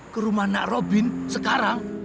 ke rumah nak robin sekarang